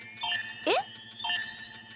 えっ？